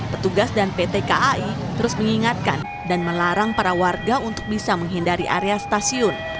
petugas dan pt kai terus mengingatkan dan melarang para warga untuk bisa menghindari area stasiun